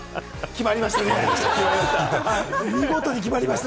決まりました。